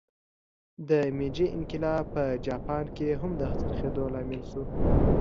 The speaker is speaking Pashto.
د میجي انقلاب په جاپان کې هم د څرخېدو لامل شو.